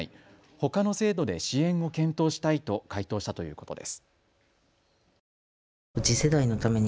ほかの制度で支援を検討したいと回答したということです。